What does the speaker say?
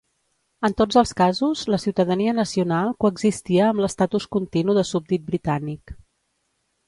En tots els casos, la ciutadania nacional coexistia amb l'estatus continu de súbdit britànic.